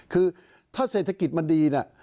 คือถ้าเศรษฐกิจมันดีเนี่ย